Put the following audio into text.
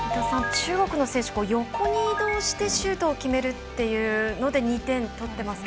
中国の選手、横に移動してシュートを決めるというので２点取っていますが。